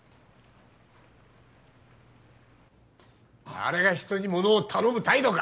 あれが人にものを頼む態度か！